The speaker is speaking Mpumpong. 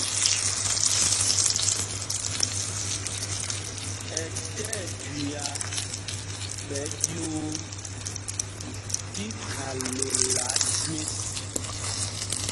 Ɛ tí ɛjüiá ɓɛ ɗyuu tí khalola jüés.